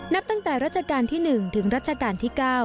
นับตั้งแต่รัชกาลที่๑ถึงรัชกาลที่๙